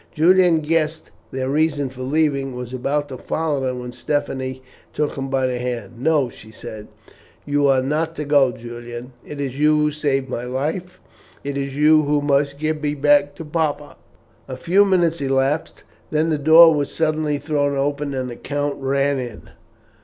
Julian guessed their reason for leaving and was about to follow them when Stephanie took him by the hand. "No," she said, "you are not to go, Julian. It is you who saved my life, and it is you who must give me back to papa." A few minutes elapsed, then the door was suddenly thrown open and the count ran in.